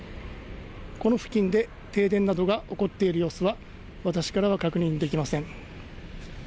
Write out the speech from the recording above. この付近で停電などが起こっている様子は、私からは確認できません。